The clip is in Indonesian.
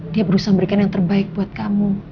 dia berusaha memberikan yang terbaik buat kamu